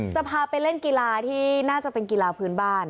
จะพาไปเล่นกีฬาที่น่าจะเป็นกีฬาพื้นบ้าน